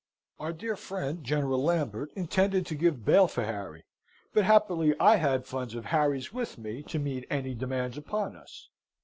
Our dear friend, General Lambert, intended to give bail for Harry; but, happily, I had funds of Harry's with me to meet any demands upon us.